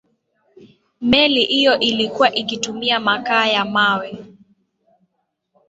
meli hiyo ilikuwa ikitumia makaa ya mawe